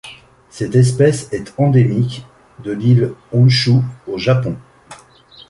Cette espèce est endémique de l'île Honshū au Japon.